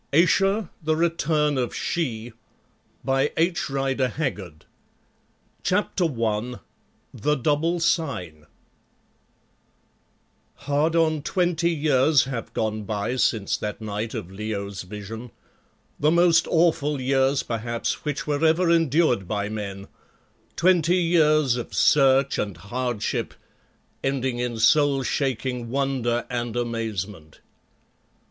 AYESHA The Further History of She Who Must Be Obeyed CHAPTER I THE DOUBLE SIGN Hard on twenty years have gone by since that night of Leo's vision the most awful years, perhaps, which were ever endured by men twenty years of search and hardship ending in soul shaking wonder and amazement.